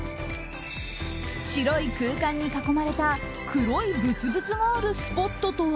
白い空間に囲まれた黒いブツブツがあるスポットとは。